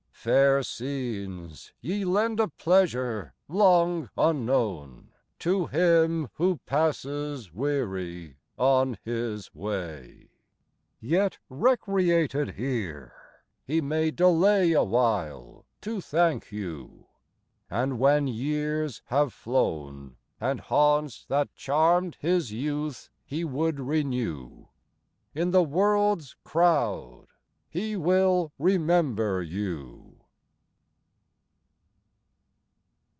Fair scenes, ye lend a pleasure, long unknown, To him who passes weary on his way; Yet recreated here he may delay A while to thank you; and when years have flown, And haunts that charmed his youth he would renew, In the world's crowd he will remember you.